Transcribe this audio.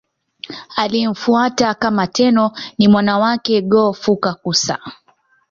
Aliyemfuata kama Tenno ni mwana wake Go-Fukakusa.